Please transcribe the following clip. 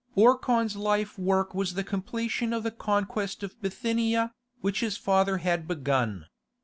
Orkhan's life work was the completion of the conquest of Bithynia, which his father had begun.